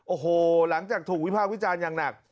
โอ้โหหลังจากถูกวิภาควิจารณ์อย่างหนัก